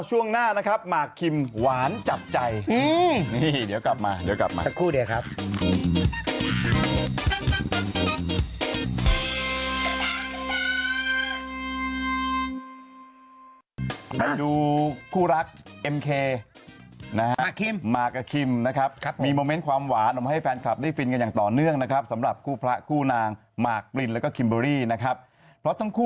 ใช่ไม่ดีไม่ดีนะครับผมนะฮะมันสุดจริง